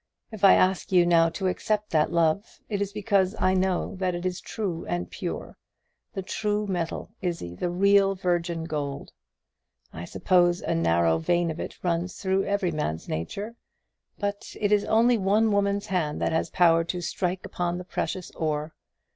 If I ask you now to accept that love, it is because I know that it is true and pure, the true metal, Izzie, the real virgin gold! I suppose a narrow vein of it runs through every man's nature; but it is only one woman's hand that has power to strike upon the precious ore.